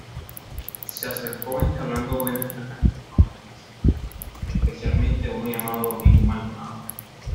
Se acercó entablando buenas relaciones con los caciques, especialmente uno llamado Domingo Maldonado.